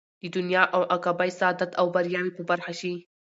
د دنيا او عقبى سعادت او بريا ئې په برخه شي